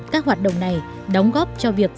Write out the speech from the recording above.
các hoạt động này đóng góp cho việt nam